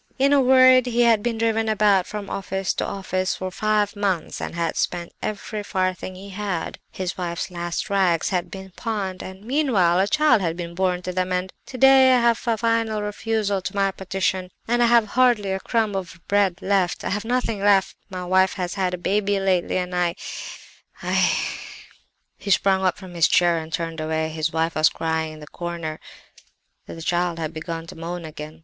In a word he had been driven about from office to office for five months and had spent every farthing he had; his wife's last rags had just been pawned; and meanwhile a child had been born to them and—and today I have a final refusal to my petition, and I have hardly a crumb of bread left—I have nothing left; my wife has had a baby lately—and I—I—' "He sprang up from his chair and turned away. His wife was crying in the corner; the child had begun to moan again.